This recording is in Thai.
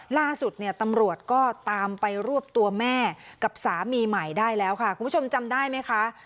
ล่าสุดเนี่ยตำรวจก็ตามไปรวบตัวแม่กับสามีใหม่ได้แล้วค่ะคุณผู้ชมจำได้ไหมคะ